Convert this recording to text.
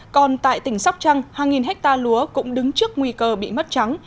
còn tại tỉnh sóc trăng hàng nghìn hectare lúa cũng đứng trước nguy cơ bị mất trắng